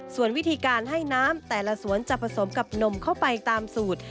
ส่วนวิธีการให้น้ำแต่ละสวนจะผสมกับนมเข้าไปตามสูตร